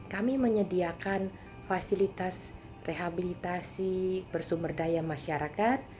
kami menyediakan fasilitas rehabilitasi bersumber daya masyarakat